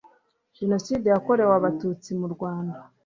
jenoside yakorewe Abatutsi mu Rwanda